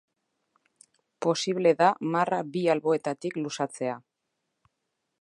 Posible da marra bi alboetatik luzatzea.